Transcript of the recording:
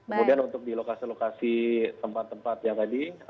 kemudian untuk di lokasi lokasi tempat tempat yang tadi